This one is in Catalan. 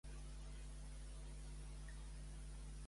Quina resposta alemanya va obtenir Franco, però?